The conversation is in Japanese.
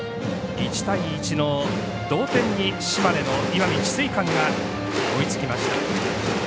１対１の同点に島根の石見智翠館が追いつきました。